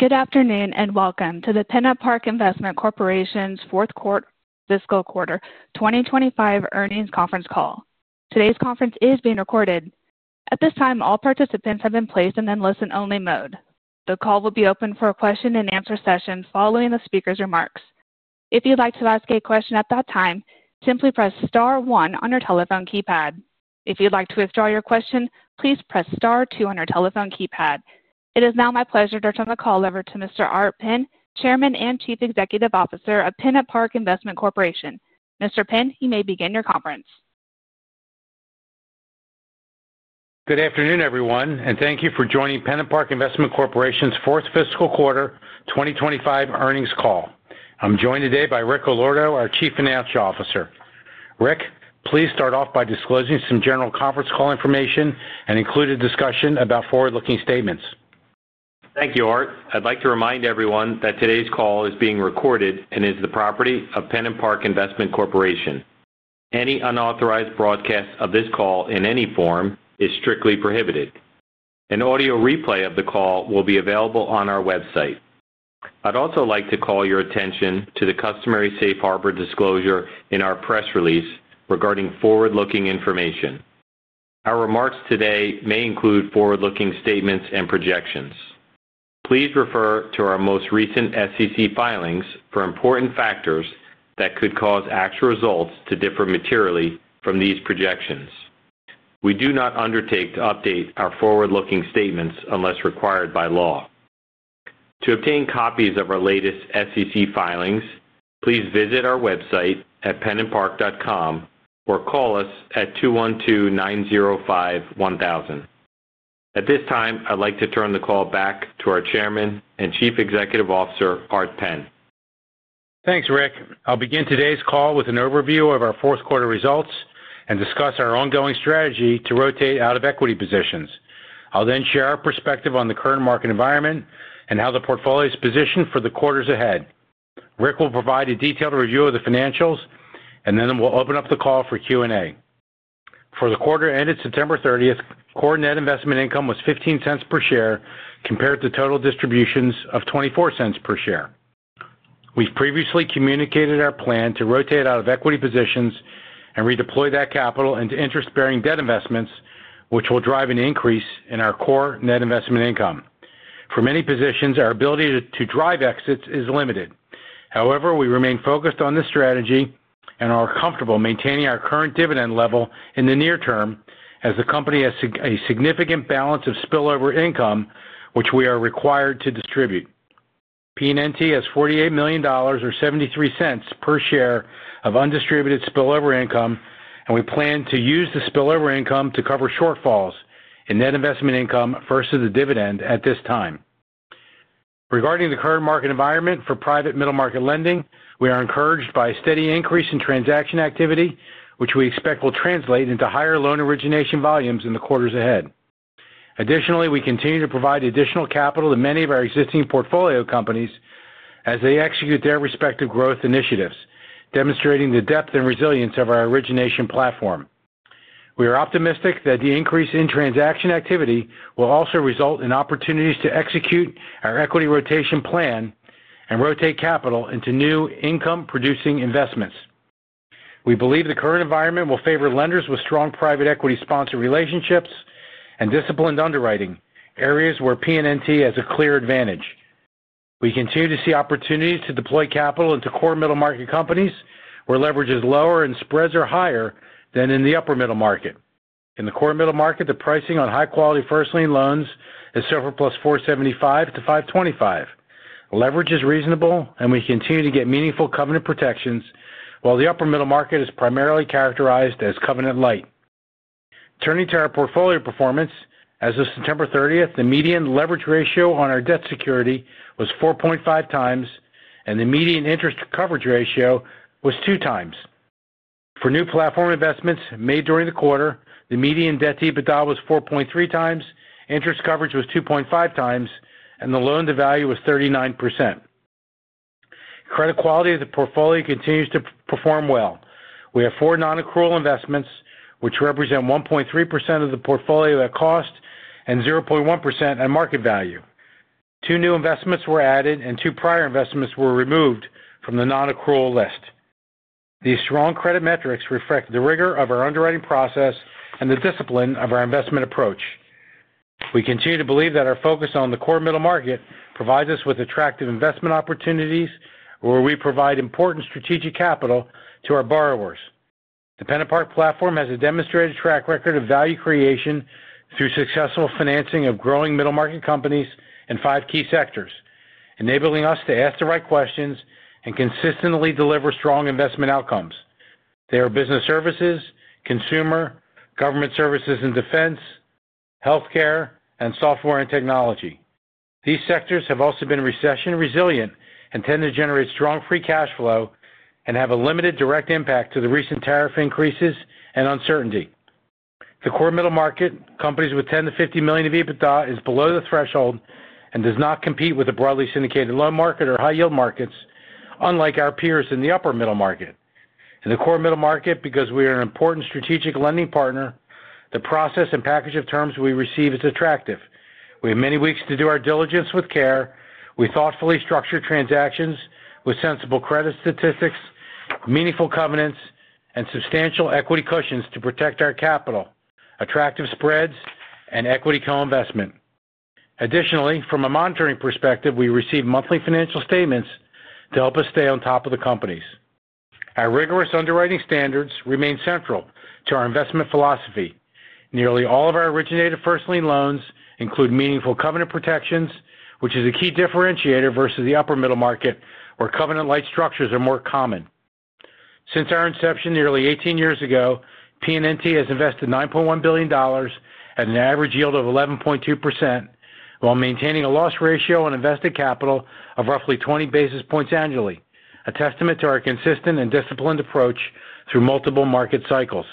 Good afternoon and welcome to the PennantPark Investment Corporation's Fourth Fiscal Quarter 2025 Earnings Conference Call. Today's conference is being recorded. At this time, all participants have been placed in listen-only mode. The call will be open for a question-and-answer session following the speaker's remarks. If you'd like to ask a question at that time, simply press star one on your telephone keypad. If you'd like to withdraw your question, please press star two on your telephone keypad. It is now my pleasure to turn the call over to Mr. Art Penn, Chairman and Chief Executive Officer of PennantPark Investment Corporation. Mr. Penn, you may begin your conference. Good afternoon, everyone, and thank you for joining PennantPark Investment Corporation's fourth fiscal quarter 2025 earnings call. I'm joined today by Rick Allorto, our Chief Financial Officer. Rick, please start off by disclosing some general conference call information and included discussion about forward-looking statements. Thank you, Art. I'd like to remind everyone that today's call is being recorded and is the property of PennantPark Investment Corporation. Any unauthorized broadcast of this call in any form is strictly prohibited. An audio replay of the call will be available on our website. I'd also like to call your attention to the customary safe harbor disclosure in our press release regarding forward-looking information. Our remarks today may include forward-looking statements and projections. Please refer to our most recent SEC filings for important factors that could cause actual results to differ materially from these projections. We do not undertake to update our forward-looking statements unless required by law. To obtain copies of our latest SEC filings, please visit our website at pennantpark.com or call us at 212-905-1000. At this time, I'd like to turn the call back to our Chairman and Chief Executive Officer, Art Penn. Thanks, Rick. I'll begin today's call with an overview of our fourth quarter results and discuss our ongoing strategy to rotate out of equity positions. I'll then share our perspective on the current market environment and how the portfolio is positioned for the quarters ahead. Rick will provide a detailed review of the financials, and then we'll open up the call for Q&A. For the quarter ended September 30, core net investment income was $0.15 per share compared to total distributions of $0.24 per share. We've previously communicated our plan to rotate out of equity positions and redeploy that capital into interest-bearing debt investments, which will drive an increase in our core net investment income. For many positions, our ability to drive exits is limited. However, we remain focused on this strategy and are comfortable maintaining our current dividend level in the near term, as the company has a significant balance of spillover income, which we are required to distribute. PNNT has $48 million, or $0.73 per share of undistributed spillover income, and we plan to use the spillover income to cover shortfalls in net investment income versus the dividend at this time. Regarding the current market environment for private middle-market lending, we are encouraged by a steady increase in transaction activity, which we expect will translate into higher loan origination volumes in the quarters ahead. Additionally, we continue to provide additional capital to many of our existing portfolio companies as they execute their respective growth initiatives, demonstrating the depth and resilience of our origination platform. We are optimistic that the increase in transaction activity will also result in opportunities to execute our equity rotation plan and rotate capital into new income-producing investments. We believe the current environment will favor lenders with strong private equity sponsor relationships and disciplined underwriting, areas where PNNT has a clear advantage. We continue to see opportunities to deploy capital into core middle-market companies where leverage is lower and spreads are higher than in the upper middle market. In the core middle market, the pricing on high-quality first lien loans is several plus $475-$525. Leverage is reasonable, and we continue to get meaningful covenant protections while the upper middle market is primarily characterized as covenant light. Turning to our portfolio performance, as of September 30, the median leverage ratio on our debt security was 4.5 times, and the median interest coverage ratio was 2 times. For new platform investments made during the quarter, the median debt to EBITDA was 4.3 times, interest coverage was 2.5 times, and the loan-to-value was 39%. Credit quality of the portfolio continues to perform well. We have four non-accrual investments, which represent 1.3% of the portfolio at cost and 0.1% at market value. Two new investments were added, and two prior investments were removed from the non-accrual list. These strong credit metrics reflect the rigor of our underwriting process and the discipline of our investment approach. We continue to believe that our focus on the core middle market provides us with attractive investment opportunities where we provide important strategic capital to our borrowers. The PennantPark platform has a demonstrated track record of value creation through successful financing of growing middle-market companies in five key sectors, enabling us to ask the right questions and consistently deliver strong investment outcomes. They are business services, consumer, government services and defense, healthcare, and software and technology. These sectors have also been recession-resilient and tend to generate strong free cash flow and have a limited direct impact to the recent tariff increases and uncertainty. The core middle market, companies with $10 million to $50 million of EBITDA, is below the threshold and does not compete with the broadly syndicated loan market or high-yield markets, unlike our peers in the upper middle market. In the core middle market, because we are an important strategic lending partner, the process and package of terms we receive is attractive. We have many weeks to do our diligence with care. We thoughtfully structure transactions with sensible credit statistics, meaningful covenants, and substantial equity cushions to protect our capital, attractive spreads, and equity co-investment. Additionally, from a monitoring perspective, we receive monthly financial statements to help us stay on top of the companies. Our rigorous underwriting standards remain central to our investment philosophy. Nearly all of our originated first lien loans include meaningful covenant protections, which is a key differentiator versus the upper middle market, where covenant-light structures are more common. Since our inception nearly 18 years ago, PNNT has invested $9.1 billion at an average yield of 11.2% while maintaining a loss ratio on invested capital of roughly 20 basis points annually, a testament to our consistent and disciplined approach through multiple market cycles.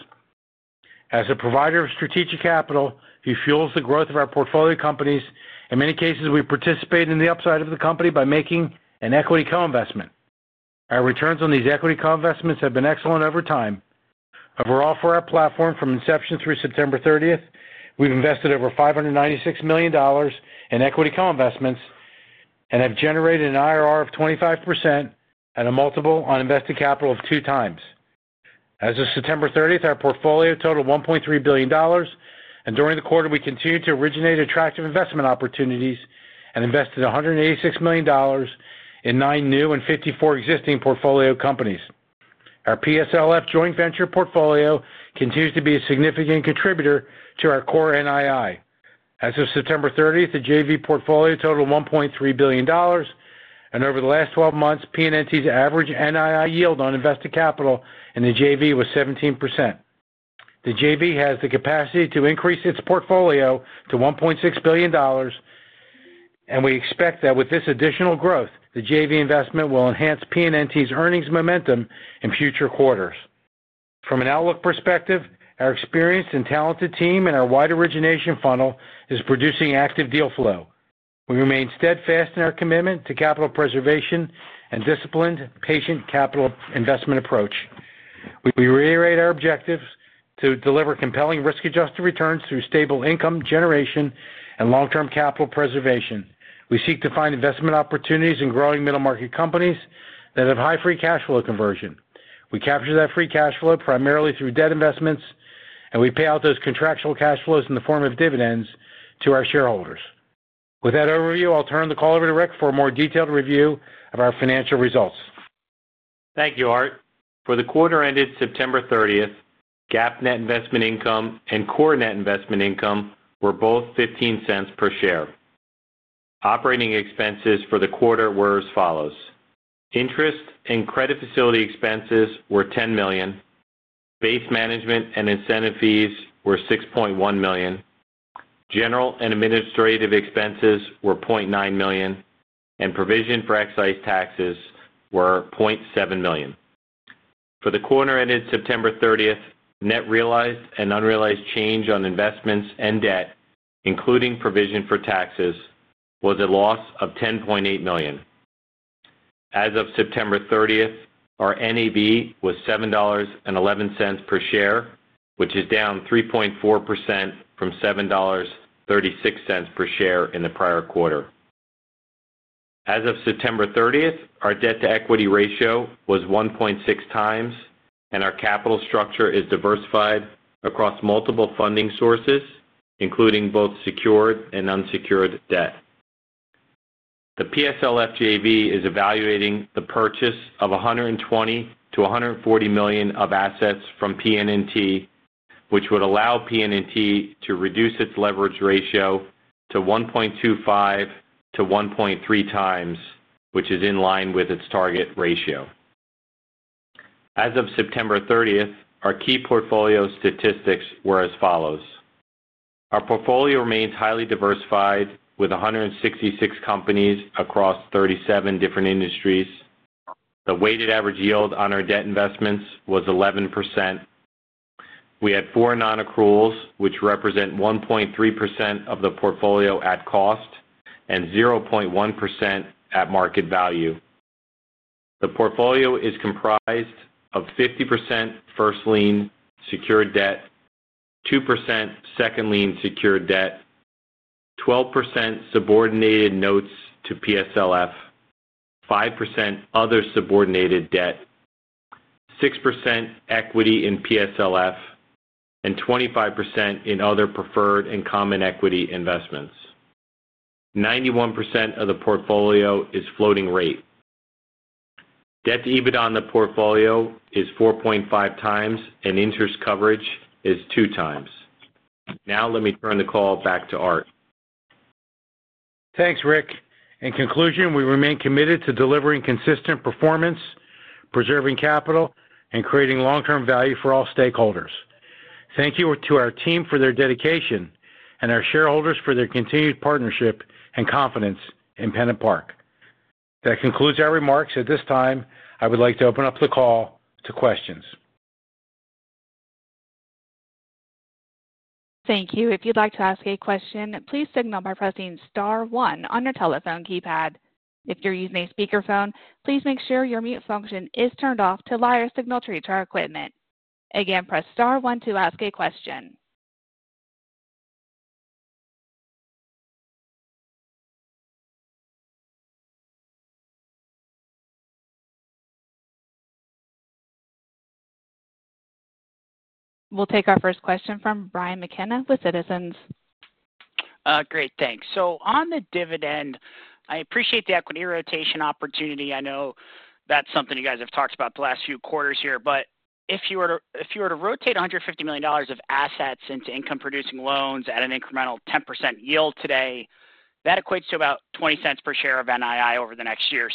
As a provider of strategic capital, it fuels the growth of our portfolio companies. In many cases, we participate in the upside of the company by making an equity co-investment. Our returns on these equity co-investments have been excellent over time. Overall, for our platform from inception through September 30, we have invested over $596 million in equity co-investments and have generated an IRR of 25% and a multiple on invested capital of two times. As of September 30, our portfolio totaled $1.3 billion, and during the quarter, we continued to originate attractive investment opportunities and invested $186 million in nine new and 54 existing portfolio companies. Our PSLF joint venture portfolio continues to be a significant contributor to our core NII. As of September 30, the JV portfolio totaled $1.3 billion, and over the last 12 months, PNNT's average NII yield on invested capital in the JV was 17%. The JV has the capacity to increase its portfolio to $1.6 billion, and we expect that with this additional growth, the JV investment will enhance PNNT's earnings momentum in future quarters. From an outlook perspective, our experienced and talented team and our wide origination funnel is producing active deal flow. We remain steadfast in our commitment to capital preservation and a disciplined, patient capital investment approach. We reiterate our objectives to deliver compelling risk-adjusted returns through stable income generation and long-term capital preservation. We seek to find investment opportunities in growing middle-market companies that have high free cash flow conversion. We capture that free cash flow primarily through debt investments, and we pay out those contractual cash flows in the form of dividends to our shareholders. With that overview, I'll turn the call over to Rick for a more detailed review of our financial results. Thank you, Art. For the quarter ended September 30th, GAAP net investment income and core net investment income were both $0.15 per share. Operating expenses for the quarter were as follows. Interest and credit facility expenses were $10 million. Base management and incentive fees were $6.1 million. General and administrative expenses were $0.9 million, and provision for excise taxes were $0.7 million. For the quarter ended September 30th, net realized and unrealized change on investments and debt, including provision for taxes, was a loss of $10.8 million. As of September 30th, our NAV was $7.11 per share, which is down 3.4% from $7.36 per share in the prior quarter. As of September 30th, our debt-to-equity ratio was 1.6 times, and our capital structure is diversified across multiple funding sources, including both secured and unsecured debt. The PSLF JV is evaluating the purchase of $120-$140 million of assets from PNNT, which would allow PNNT to reduce its leverage ratio to 1.25-1.3 times, which is in line with its target ratio. As of September 30th, our key portfolio statistics were as follows. Our portfolio remains highly diversified with 166 companies across 37 different industries. The weighted average yield on our debt investments was 11%. We had four non-accruals, which represent 1.3% of the portfolio at cost and 0.1% at market value. The portfolio is comprised of 50% first lien secured debt, 2% second lien secured debt, 12% subordinated notes to PSLF, 5% other subordinated debt, 6% equity in PSLF, and 25% in other preferred and common equity investments. 91% of the portfolio is floating rate. Debt to EBITDA on the portfolio is 4.5 times, and interest coverage is 2 times. Now, let me turn the call back to Art. Thanks, Rick. In conclusion, we remain committed to delivering consistent performance, preserving capital, and creating long-term value for all stakeholders. Thank you to our team for their dedication and our shareholders for their continued partnership and confidence in PennantPark. That concludes our remarks. At this time, I would like to open up the call to questions. Thank you. If you'd like to ask a question, please signal by pressing star one on your telephone keypad. If you're using a speakerphone, please make sure your mute function is turned off to lie or signal to reach our equipment. Again, press star one to ask a question. We'll take our first question from Brian McKenna with Citizens. Great. Thanks. On the dividend, I appreciate the equity rotation opportunity. I know that's something you guys have talked about the last few quarters here. If you were to rotate $150 million of assets into income-producing loans at an incremental 10% yield today, that equates to about $0.20 per share of NII over the next year.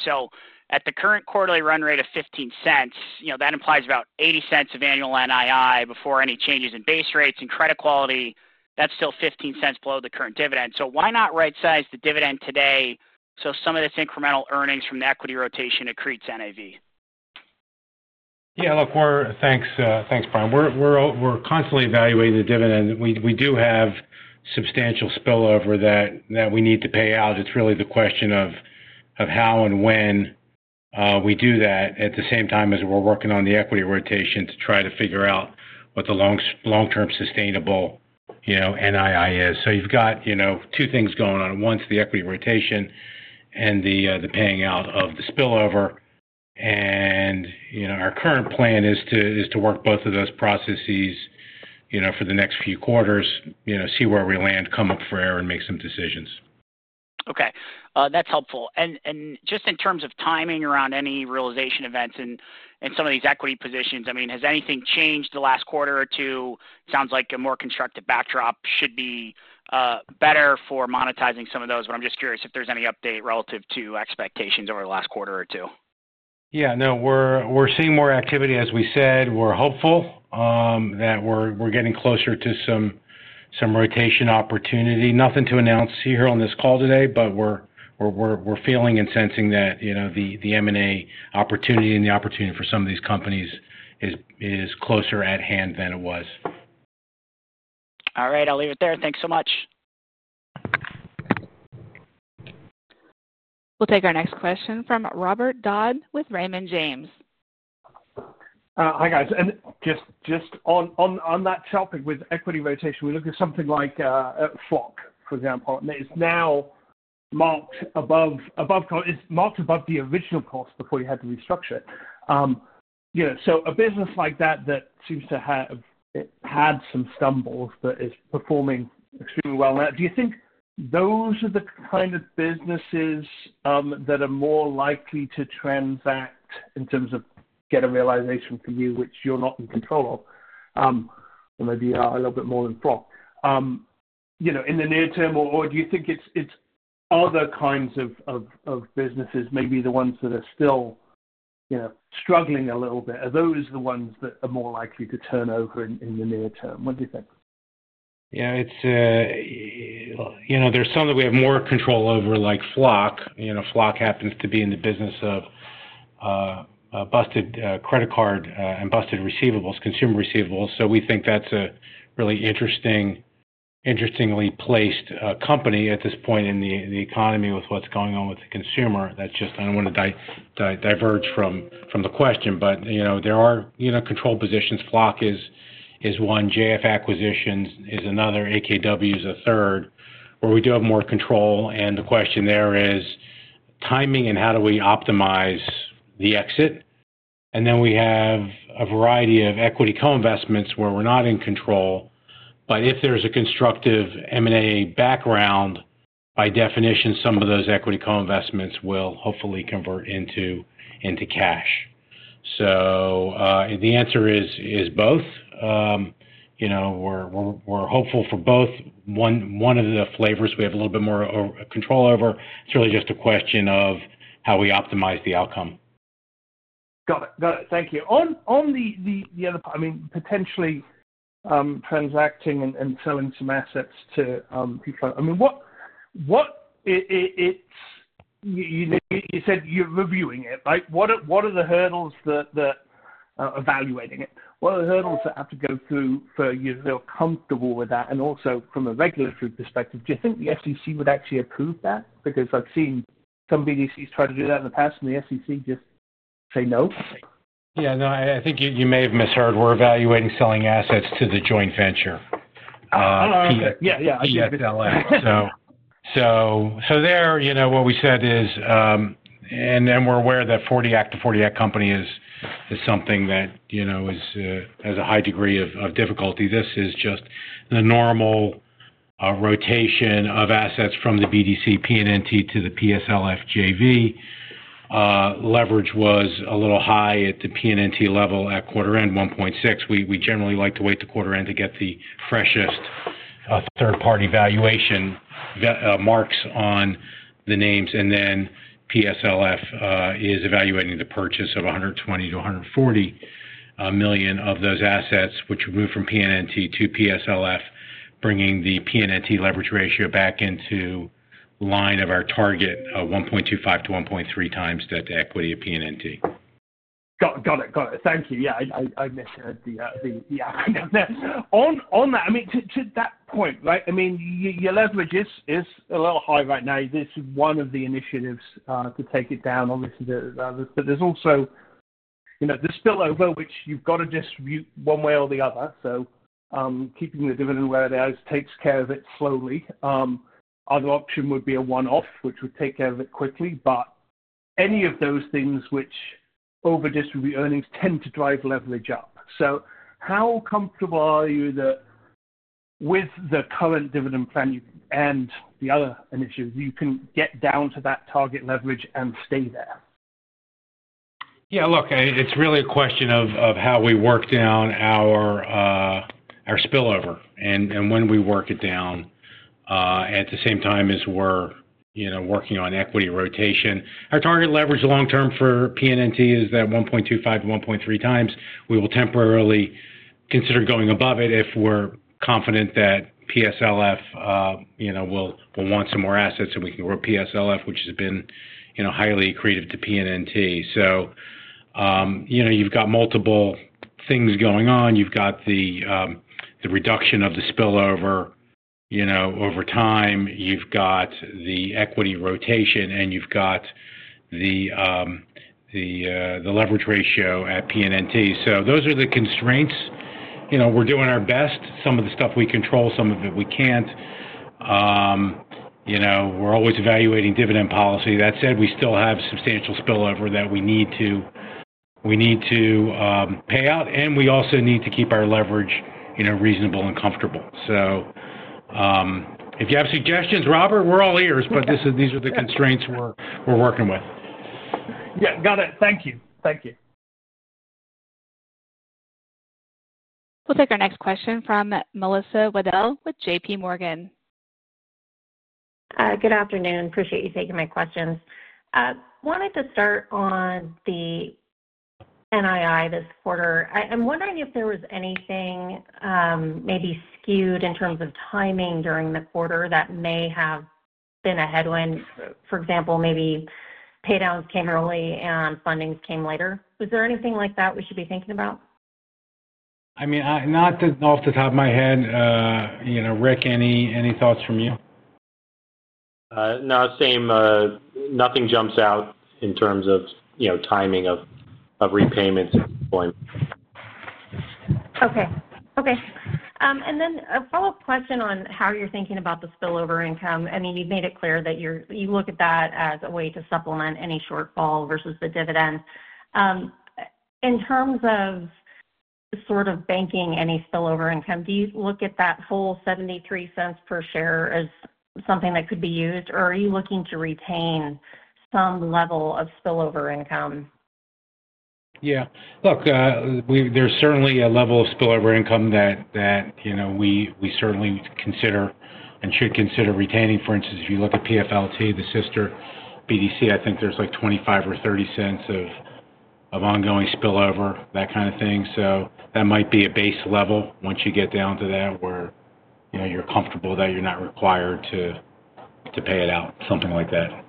At the current quarterly run rate of $0.15, that implies about $0.80 of annual NII before any changes in base rates and credit quality. That's still $0.15 below the current dividend. Why not right-size the dividend today so some of these incremental earnings from the equity rotation accretes NAV? Yeah. Look, thanks, Brian. We're constantly evaluating the dividend. We do have substantial spillover that we need to pay out. It's really the question of how and when we do that at the same time as we're working on the equity rotation to try to figure out what the long-term sustainable NII is. You have two things going on. One's the equity rotation and the paying out of the spillover. Our current plan is to work both of those processes for the next few quarters, see where we land, come up for air, and make some decisions. Okay. That's helpful. Just in terms of timing around any realization events in some of these equity positions, I mean, has anything changed the last quarter or two? Sounds like a more constructive backdrop should be better for monetizing some of those, but I'm just curious if there's any update relative to expectations over the last quarter or two. Yeah. No, we're seeing more activity. As we said, we're hopeful that we're getting closer to some rotation opportunity. Nothing to announce here on this call today, but we're feeling and sensing that the M&A opportunity and the opportunity for some of these companies is closer at hand than it was. All right. I'll leave it there. Thanks so much. We'll take our next question from Robert Dodd with Raymond James. Hi, guys. Just on that topic with equity rotation, we look at something like FLOC, for example, and it's now marked above the original cost before you had to restructure it. So a business like that that seems to have had some stumbles but is performing extremely well now—do you think those are the kind of businesses that are more likely to transact in terms of get a realization for you, which you're not in control of, or maybe are a little bit more than FLOC? In the near term, or do you think it's other kinds of businesses, maybe the ones that are still struggling a little bit? Are those the ones that are more likely to turn over in the near term? What do you think? Yeah. There's some that we have more control over, like FLOC. FLOC happens to be in the business of busted credit card and busted receivables, consumer receivables. We think that's a really interestingly placed company at this point in the economy with what's going on with the consumer. I don't want to diverge from the question, but there are control positions. FLOC is one. JF Acquisitions is another. AKW is a third, where we do have more control. The question there is timing, and how do we optimize the exit? We have a variety of equity co-investments where we're not in control, but if there's a constructive M&A background, by definition, some of those equity co-investments will hopefully convert into cash. The answer is both. We're hopeful for both. One of the flavors we have a little bit more control over. It's really just a question of how we optimize the outcome. Got it. Got it. Thank you. On the other part, I mean, potentially transacting and selling some assets to people—I mean, you said you're reviewing it, right? What are the hurdles that evaluating it? What are the hurdles that have to go through for you to feel comfortable with that? Also, from a regulatory perspective, do you think the SEC would actually approve that? Because I've seen some BDCs try to do that in the past, and the SEC just say no. Yeah. No, I think you may have misheard. We're evaluating selling assets to the joint venture. Oh, okay. Yeah. Yeah. I get it. PSLF, so what we said is, and we're aware that 40 Act to 40 Act company is something that has a high degree of difficulty. This is just the normal rotation of assets from the BDC, PNNT to the PSLF JV. Leverage was a little high at the PNNT level at quarter end, 1.6. We generally like to wait to quarter end to get the freshest third-party valuation marks on the names. PSLF is evaluating the purchase of $120 million-$140 million of those assets, which we moved from PNNT to PSLF, bringing the PNNT leverage ratio back into line of our target of 1.25-1.3 times debt to equity of PNNT. Got it. Got it. Thank you. Yeah. I misheard the outcome down there. On that, I mean, to that point, right, I mean, your leverage is a little high right now. This is one of the initiatives to take it down, obviously. There is also the spillover, which you've got to distribute one way or the other. Keeping the dividend where it is takes care of it slowly. Other option would be a one-off, which would take care of it quickly. Any of those things which over-distribute earnings tend to drive leverage up. How comfortable are you that with the current dividend plan and the other initiatives, you can get down to that target leverage and stay there? Yeah. Look, it's really a question of how we work down our spillover and when we work it down at the same time as we're working on equity rotation. Our target leverage long-term for PNNT is that 1.25-1.3 times. We will temporarily consider going above it if we're confident that PSLF will want some more assets so we can grow PSLF, which has been highly accretive to PNNT. You have multiple things going on. You have the reduction of the spillover over time. You have the equity rotation, and you have the leverage ratio at PNNT. Those are the constraints. We're doing our best. Some of the stuff we control, some of it we can't. We're always evaluating dividend policy. That said, we still have substantial spillover that we need to pay out, and we also need to keep our leverage reasonable and comfortable. If you have suggestions, Robert, we're all ears, but these are the constraints we're working with. Yeah. Got it. Thank you. Thank you. We'll take our next question from Melissa Waddell with JP Morgan. Good afternoon. Appreciate you taking my questions. Wanted to start on the NII this quarter. I'm wondering if there was anything maybe skewed in terms of timing during the quarter that may have been a headwind. For example, maybe paydowns came early and fundings came later. Was there anything like that we should be thinking about? I mean, not off the top of my head. Rick, any thoughts from you? No. Same. Nothing jumps out in terms of timing of repayments and deployment. Okay. Okay. A follow-up question on how you're thinking about the spillover income. I mean, you've made it clear that you look at that as a way to supplement any shortfall versus the dividend. In terms of sort of banking any spillover income, do you look at that whole $0.73 per share as something that could be used, or are you looking to retain some level of spillover income? Yeah. Look, there's certainly a level of spillover income that we certainly consider and should consider retaining. For instance, if you look at PFLT, the sister BDC, I think there's like $0.25 or $0.30 of ongoing spillover, that kind of thing. So that might be a base level once you get down to that where you're comfortable that you're not required to pay it out, something like that.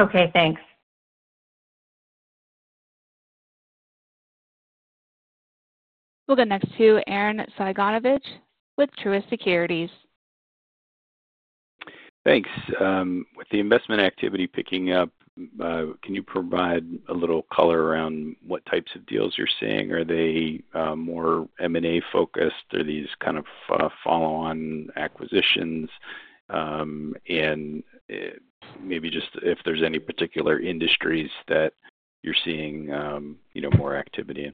Okay. Thanks. We'll go next to Arren Cyganovich with Truist Securities. Thanks. With the investment activity picking up, can you provide a little color around what types of deals you're seeing? Are they more M&A-focused? Are these kind of follow-on acquisitions? Maybe just if there's any particular industries that you're seeing more activity in.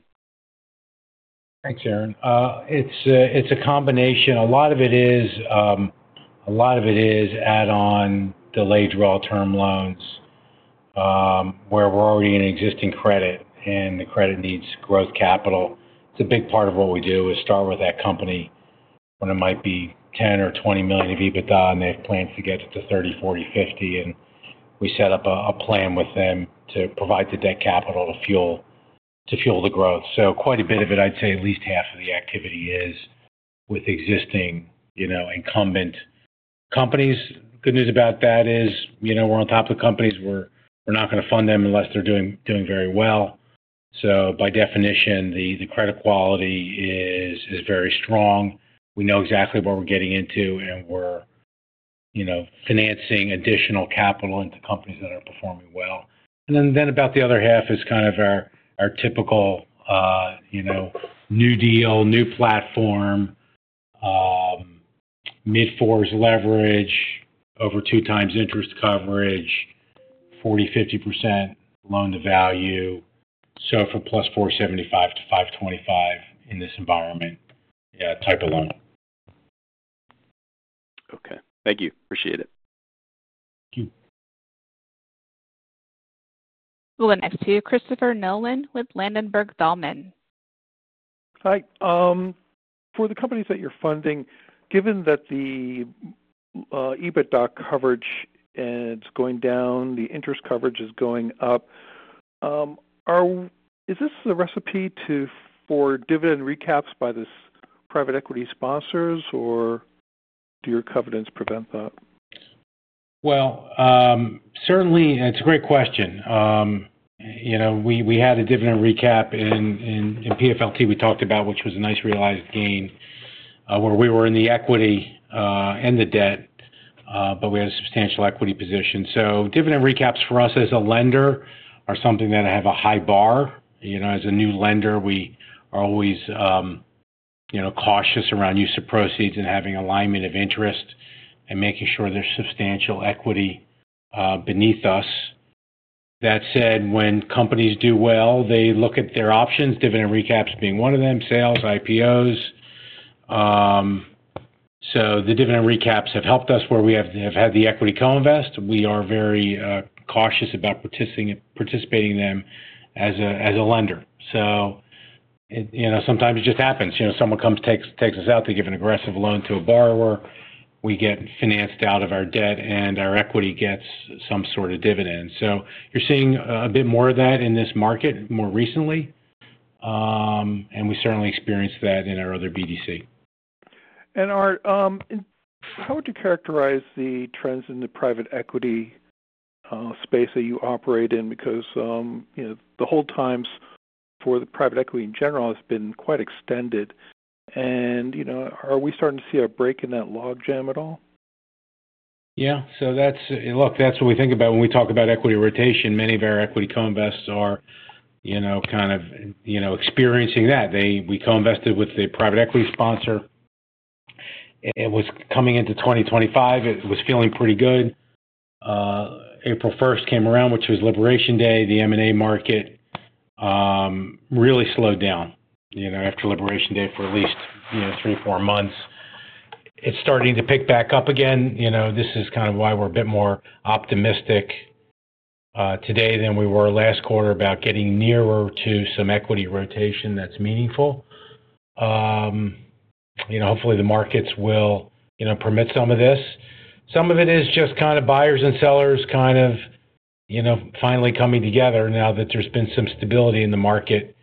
Thanks, Aaron. It's a combination. A lot of it is add-on delayed draw term loans where we're already in existing credit, and the credit needs growth capital. It's a big part of what we do is start with that company when it might be $10 million or $20 million EBITDA, and they have plans to get it to $30 million, $40 million, $50 million. We set up a plan with them to provide the debt capital to fuel the growth. Quite a bit of it, I'd say at least half of the activity is with existing incumbent companies. The good news about that is we're on top of the companies. We're not going to fund them unless they're doing very well. By definition, the credit quality is very strong. We know exactly what we're getting into, and we're financing additional capital into companies that are performing well. About the other half is kind of our typical new deal, new platform, mid-fours leverage, over two times interest coverage, 40-50% loan-to-value, so for plus 475-525 in this environment type of loan. Okay. Thank you. Appreciate it. Thank you. We'll go next to Christopher Nolan with Ladenburg Thalmann. Hi. For the companies that you're funding, given that the EBITDA coverage is going down, the interest coverage is going up, is this the recipe for dividend recaps by the private equity sponsors, or do your covenants prevent that? Certainly, it's a great question. We had a dividend recap in PFLT we talked about, which was a nice, realized gain where we were in the equity and the debt, but we had a substantial equity position. Dividend recaps for us as a lender are something that have a high bar. As a new lender, we are always cautious around use of proceeds and having alignment of interest and making sure there's substantial equity beneath us. That said, when companies do well, they look at their options, dividend recaps being one of them, sales, IPOs. The dividend recaps have helped us where we have had the equity co-invest. We are very cautious about participating in them as a lender. Sometimes it just happens. Someone comes, takes us out, they give an aggressive loan to a borrower. We get financed out of our debt, and our equity gets some sort of dividend. You're seeing a bit more of that in this market more recently, and we certainly experienced that in our other BDC. Art, how would you characterize the trends in the private equity space that you operate in? Because the hold times for the private equity in general have been quite extended. Are we starting to see a break in that logjam at all? Yeah. Look, that's what we think about when we talk about equity rotation. Many of our equity co-invests are kind of experiencing that. We co-invested with a private equity sponsor. It was coming into 2025. It was feeling pretty good. April 1 came around, which was Liberation Day. The M&A market really slowed down after Liberation Day for at least three or four months. It's starting to pick back up again. This is kind of why we're a bit more optimistic today than we were last quarter about getting nearer to some equity rotation that's meaningful. Hopefully, the markets will permit some of this. Some of it is just kind of buyers and sellers finally coming together now that there's been some stability in the market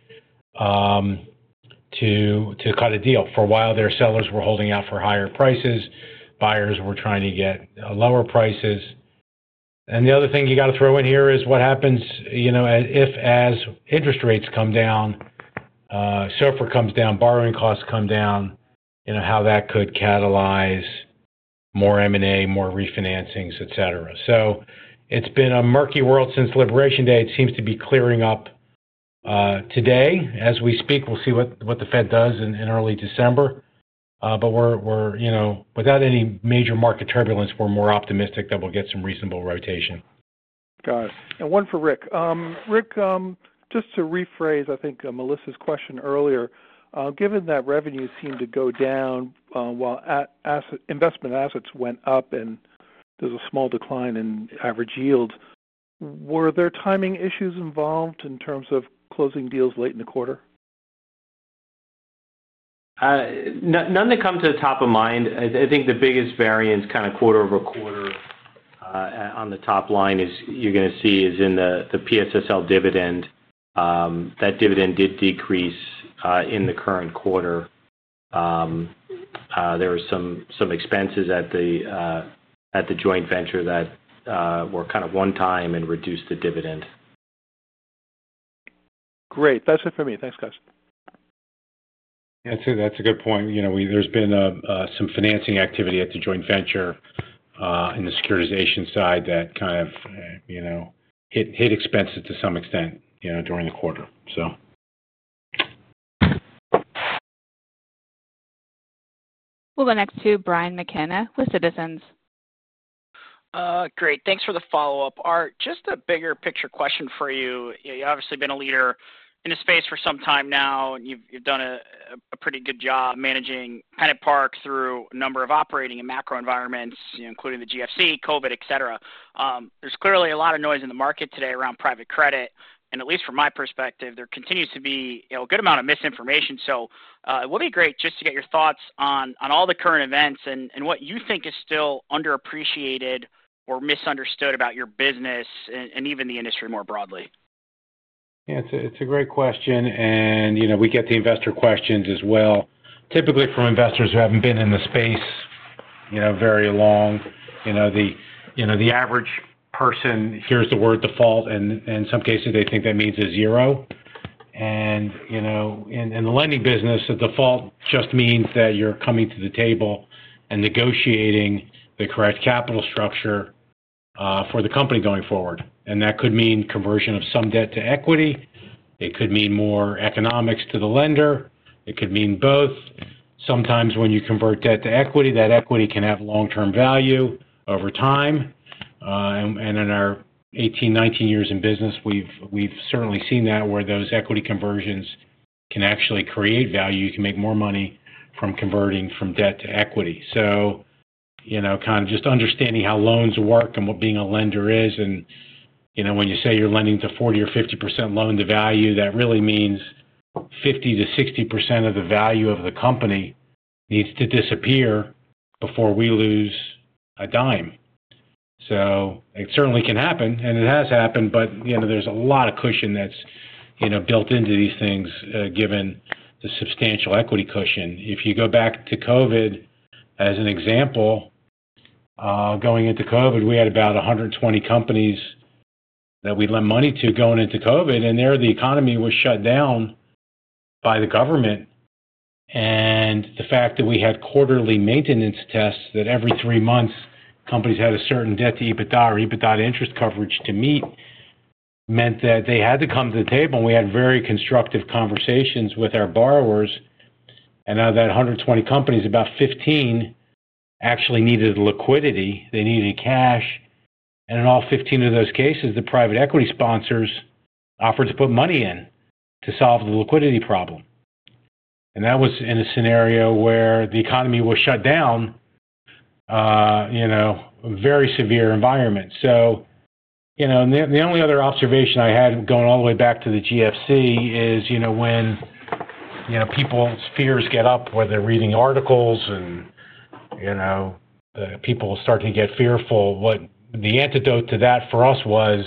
to cut a deal. For a while, sellers were holding out for higher prices. Buyers were trying to get lower prices. The other thing you got to throw in here is what happens if, as interest rates come down, server comes down, borrowing costs come down, how that could catalyze more M&A, more refinancings, etc. It has been a murky world since Liberation Day. It seems to be clearing up today. As we speak, we'll see what the Fed does in early December. Without any major market turbulence, we're more optimistic that we'll get some reasonable rotation. Got it. One for Rick. Rick, just to rephrase, I think Melissa's question earlier, given that revenues seemed to go down while investment assets went up and there's a small decline in average yields, were there timing issues involved in terms of closing deals late in the quarter? None that come to the top of mind. I think the biggest variance kind of quarter over quarter on the top line is you're going to see is in the PSLF dividend. That dividend did decrease in the current quarter. There were some expenses at the joint venture that were kind of one-time and reduced the dividend. Great. That's it for me. Thanks, guys. Yeah. That's a good point. There's been some financing activity at the joint venture in the securitization side that kind of hit expenses to some extent during the quarter. We'll go next to Brian McKenna with Citizens. Great. Thanks for the follow-up. Art, just a bigger picture question for you. You've obviously been a leader in this space for some time now, and you've done a pretty good job managing kind of park through a number of operating and macro environments, including the GFC, COVID, etc. There's clearly a lot of noise in the market today around private credit. At least from my perspective, there continues to be a good amount of misinformation. It would be great just to get your thoughts on all the current events and what you think is still underappreciated or misunderstood about your business and even the industry more broadly. Yeah. It's a great question. We get the investor questions as well, typically from investors who haven't been in the space very long. The average person hears the word default, and in some cases, they think that means a zero. In the lending business, a default just means that you're coming to the table and negotiating the correct capital structure for the company going forward. That could mean conversion of some debt to equity. It could mean more economics to the lender. It could mean both. Sometimes when you convert debt to equity, that equity can have long-term value over time. In our 18, 19 years in business, we've certainly seen that where those equity conversions can actually create value. You can make more money from converting from debt to equity. Kind of just understanding how loans work and what being a lender is. When you say you're lending to 40% or 50% loan-to-value, that really means 50%-60% of the value of the company needs to disappear before we lose a dime. It certainly can happen, and it has happened, but there's a lot of cushion that's built into these things given the substantial equity cushion. If you go back to COVID, as an example, going into COVID, we had about 120 companies that we lent money to going into COVID, and there the economy was shut down by the government. The fact that we had quarterly maintenance tests that every three months companies had a certain debt-to-EBITDA or EBITDA-to-interest coverage to meet—meant that they had to come to the table. We had very constructive conversations with our borrowers. Out of that 120 companies, about 15 actually needed liquidity. They needed cash. In all 15 of those cases, the private equity sponsors offered to put money in to solve the liquidity problem. That was in a scenario where the economy was shut down, a very severe environment. The only other observation I had going all the way back to the GFC is when people's fears get up where they're reading articles and people start to get fearful. The antidote to that for us was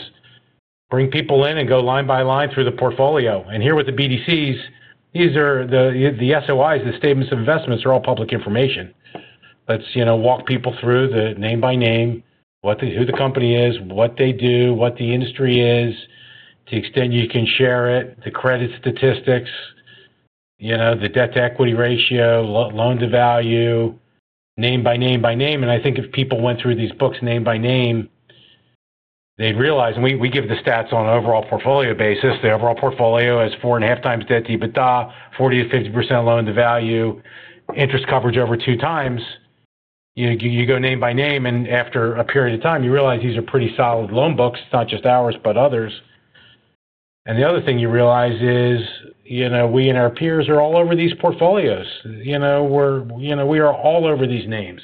bring people in and go line by line through the portfolio. Here with the BDCs, the SOIs, the statements of investments are all public information. Let's walk people through the name by name, who the company is, what they do, what the industry is, to the extent you can share it, the credit statistics, the debt to equity ratio, loan to value, name by name by name. I think if people went through these books name by name, they'd realize we give the stats on an overall portfolio basis. The overall portfolio has 4.5 times debt to EBITDA, 40-50% loan to value, interest coverage over two times. You go name by name, and after a period of time, you realize these are pretty solid loan books. It's not just ours, but others. The other thing you realize is we and our peers are all over these portfolios. We are all over these names.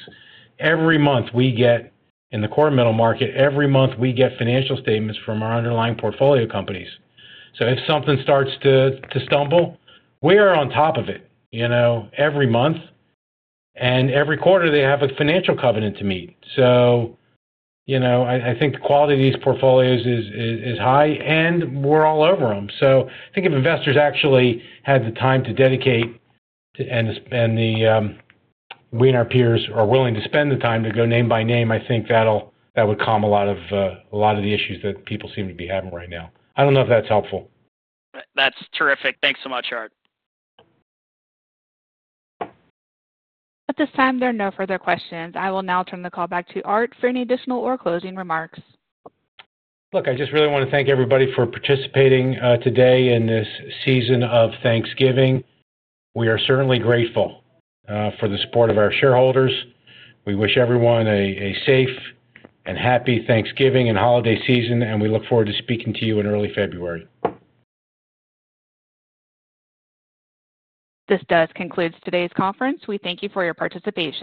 Every month we get in the core middle market, every month we get financial statements from our underlying portfolio companies. If something starts to stumble, we are on top of it every month. Every quarter, they have a financial covenant to meet. I think the quality of these portfolios is high, and we're all over them. I think if investors actually had the time to dedicate and we and our peers are willing to spend the time to go name by name, I think that would calm a lot of the issues that people seem to be having right now. I don't know if that's helpful. That's terrific. Thanks so much, Art. At this time, there are no further questions. I will now turn the call back to Art for any additional or closing remarks. Look, I just really want to thank everybody for participating today in this season of Thanksgiving. We are certainly grateful for the support of our shareholders. We wish everyone a safe and happy Thanksgiving and holiday season, and we look forward to speaking to you in early February. This does conclude today's conference. We thank you for your participation.